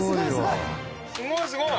すごいすごい。